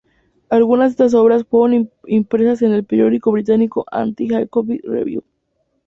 Algunas de estas obras fueron impresas en el periódico británico "Anti-Jacobin Review".